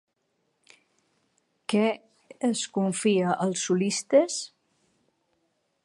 Què es confia als solistes?